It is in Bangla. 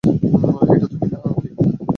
এইটা তুমি না-কি?